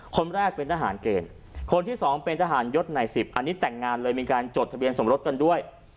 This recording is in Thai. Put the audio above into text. คนแรกเป็นทหารเกณฑ์คนที่สองเป็นทหารยศในสิบอันนี้แต่งงานเลยมีการจดทะเบียนสมรสกันด้วย